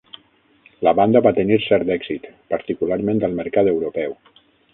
La banda va tenir cert èxit, particularment al mercat europeu.